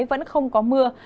vẫn không có mưa